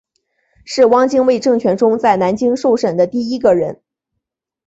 是汪精卫政权中在南京受审的第一个人。